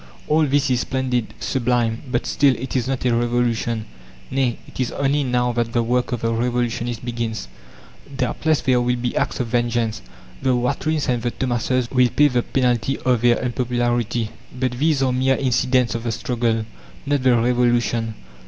All this is splendid, sublime; but still, it is not a revolution. Nay, it is only now that the work of the revolutionist begins. Doubtless there will be acts of vengeance. The Watrins and the Thomases will pay the penalty of their unpopularity; but these are mere incidents of the struggle not the revolution.